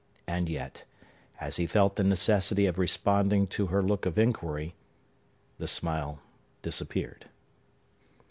And yet, as he felt the necessity of responding to her look of inquiry, the smile disappeared.